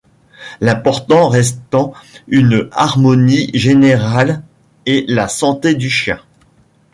L'important restant une harmonie générale et la santé du chien.